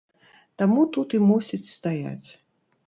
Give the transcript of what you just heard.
Таму тут і мусіць стаяць.